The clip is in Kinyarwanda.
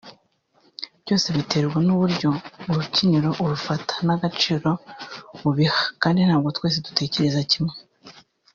Byose biterwa n’uburyo urubyiniro urufata n’agaciro ubiha kandi ntabwo twese dutekereza kimwe